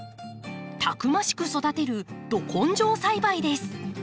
たくましく育てるど根性栽培です。